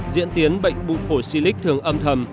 diễn tiến bệnh bụng phổi xy lích thường âm thầm